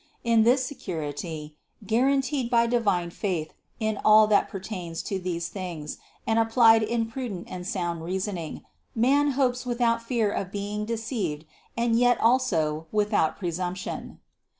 In this security, guaranteed by divine faith in all that per tains to these things and applied in prudent and sound reasoning, man hopes without fear of being deceived and yet also without presumption.